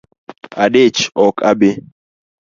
Adich ok abi